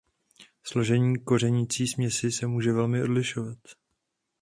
Složení kořenící směsi se může velmi odlišovat.